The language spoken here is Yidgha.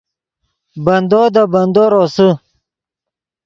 بندو دے بندو روسے